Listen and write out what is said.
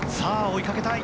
追いかけたい。